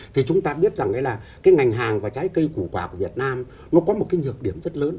thì chúng ta biết rằng là cái ngành hàng và trái cây củ quả của việt nam nó có một cái nhược điểm rất lớn